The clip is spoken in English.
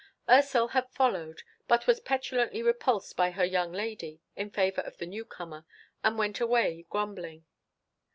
Ursel had followed, but was petulantly repulsed by her young lady in favour of the newcomer, and went away grumbling.